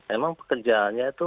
emang pekerjaannya itu